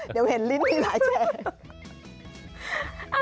เดี๋ยวเห็นลิ้นมีหลายแฉ